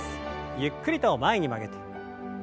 ゆっくりと前に曲げて。